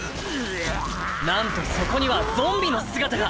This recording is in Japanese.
なんとそこにはゾンビの姿が。